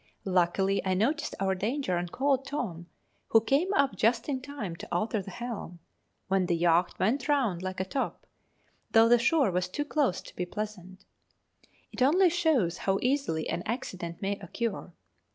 Luckily I noticed our danger and called Tom, who came up just in time to alter the helm, when the yacht went round like a top, though the shore was too close to be pleasant. It only shows how easily an accident may occur.